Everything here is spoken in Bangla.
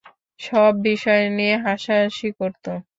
সব বিষয় নিয়ে হাসাহাসি করতো।